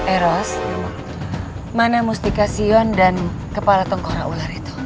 eros mana mustikasion dan kepala tongkora ular itu